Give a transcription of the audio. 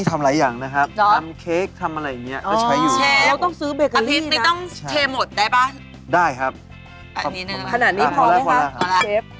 ทรมานนี้พอเนี่ยครับ